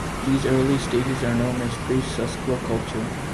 These early stages are known as pre-Sesklo culture.